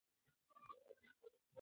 ښايي څوک دې ونه ژغوري.